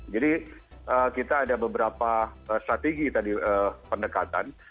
jadi kita ada beberapa strategi pendekatan